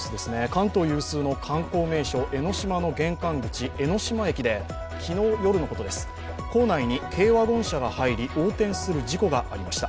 関東有数の観光名所、江の島の玄関口、江ノ島駅で昨日夜のことです、構内に軽ワゴン車が入り横転する事故がありました。